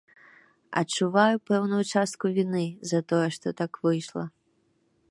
Адчуваю пэўную частку віны за тое што, так выйшла.